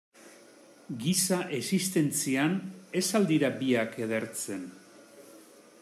Giza existentzian, ez al dira biak edertzen?